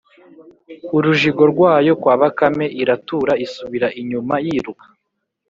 Urujigo rwayo kwa Bakame, iratura isubira inyuma yiruka.